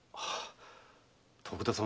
徳田様